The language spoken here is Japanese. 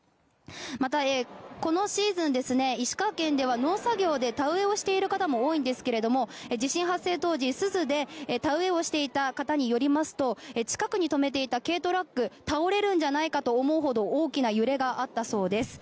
また、このシーズン石川県では農作業で田植えをしている方も多いんですが地震発生当時、珠洲で田植えをしていた方によりますと近くに止めていた軽トラック倒れるんじゃないかと思うほど大きな揺れがあったそうです。